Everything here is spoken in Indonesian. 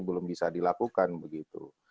belum bisa dilakukan begitu